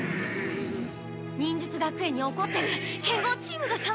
忍術学園におこってる剣豪チームがさわぎ始めた！